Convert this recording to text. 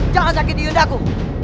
jangan sakiti undaku